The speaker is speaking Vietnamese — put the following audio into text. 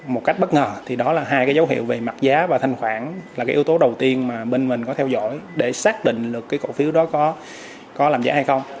một cách bất ngờ thì đó là hai cái dấu hiệu về mặt giá và thanh khoản là cái yếu tố đầu tiên mà bên mình có theo dõi để xác định được cái cổ phiếu đó có làm giả hay không